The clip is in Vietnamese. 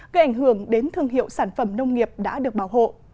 gây ảnh hưởng đến thương hiệu sản phẩm nông nghiệp đã được bảo hộ